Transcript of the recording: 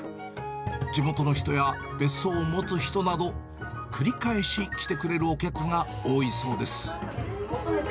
地元の人や別荘を持つ人など、繰り返し来てくれるお客が多いそうです。